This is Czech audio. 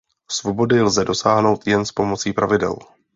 Svobody lze dosáhnout jen s pomocí pravidel.